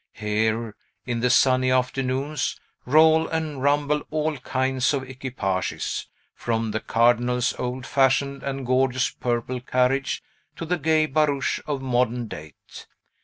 Here, in the sunny afternoons, roll and rumble all kinds of equipages, from the cardinal's old fashioned and gorgeous purple carriage to the gay barouche of modern date.